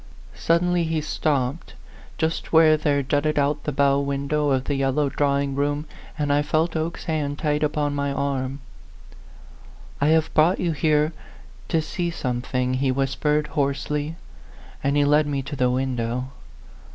Suddenly he stopped, just where there jutted out the bow window of the yellow drawing room, and I felt Oke's hand tight upon my arm. "I have brought you here to see some thing," he whispered, hoarsely; and he led me to the window.